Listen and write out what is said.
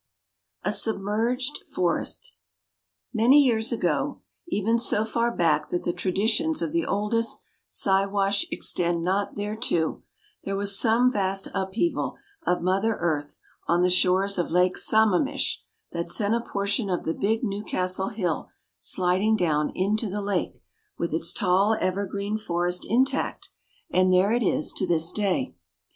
A SUBMERGED FOREST Many years ago, even so far back that the traditions of the oldest Siwash extend not thereto, there was some vast upheaval of mother earth on the shores of Lake Samamish that sent a portion of the big Newcastle hill sliding down into the lake, with its tall evergreen forest intact, and there it is to this day.